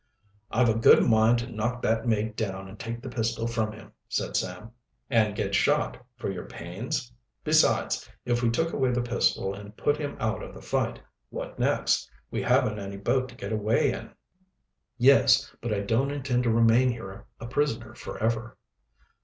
"I've a good mind to knock that mate down and take the pistol from him," said Sam. "And get shot for your pains? Besides, if we took away the pistol and put him out of the fight, what next? We haven't any boat to get away in." "Yes, but I don't intend to remain here a prisoner forever."